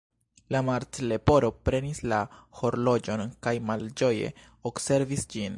La Martleporo prenis la horloĝon, kaj malĝoje observis ĝin.